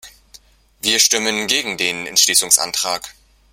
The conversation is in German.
Wir stimmen gegen den Entschließungsantrag.